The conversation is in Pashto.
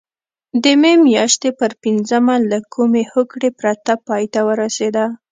د مې میاشتې پر پینځمه له کومې هوکړې پرته پای ته ورسېده.